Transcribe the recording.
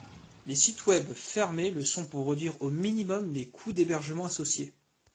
Les sites web fermés le sont pour réduire au minimum les coûts d'hébergement associés.